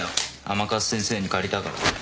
甘春先生に借りたから。